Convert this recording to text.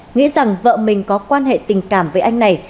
nghĩ rằng vợ mình có quan hệ tình cảm với anh này